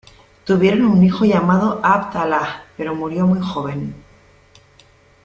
Tuvieron un hijo llamado Abd-Allah, pero murió muy joven.